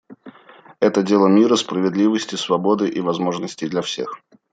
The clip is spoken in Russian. Это дело мира, справедливости, свободы и возможностей для всех.